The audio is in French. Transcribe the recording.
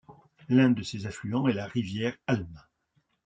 L’un de ses affluents est la rivière Alma.